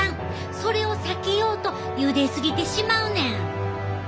それを避けようとゆで過ぎてしまうねん。